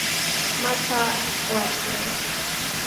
ماته ورکړي.